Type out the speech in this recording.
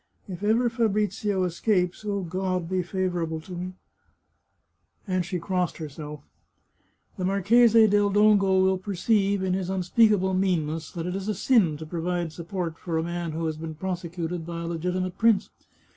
If ever Fabrizio escapes (O God ! be favourable to me !" and she crossed herself), " the Marchese del Dongo will perceive, in his unspeakable meanness, that it is a sin to provide support for a man who has been prosecuted by a legitimate prince.